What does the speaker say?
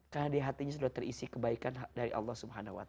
karena di hatinya sudah terisi kebaikan dari allah swt